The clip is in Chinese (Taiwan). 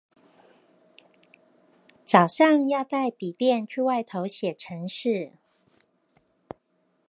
早上要帶筆電去外頭寫程式